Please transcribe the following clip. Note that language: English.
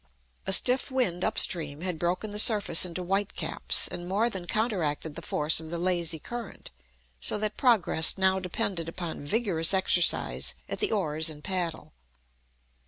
A stiff wind up stream had broken the surface into white caps, and more than counteracted the force of the lazy current, so that progress now depended upon vigorous exercise at the oars and paddle.